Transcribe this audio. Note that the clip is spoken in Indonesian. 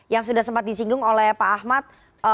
yang sudah sempat disinggung oleh pak ahmad